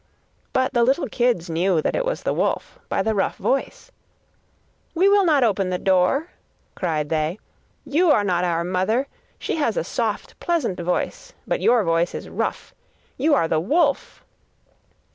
But the little kids knew that it was the wolf, by the rough voice. 'We will not open the door,' cried they, 'you are not our mother. She has a soft, pleasant voice, but your voice is rough; you are the wolf!